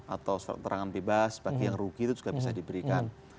atau serta terangan bebas bagian rugi itu juga bisa diberikan